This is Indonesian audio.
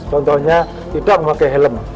contohnya tidak memakai helm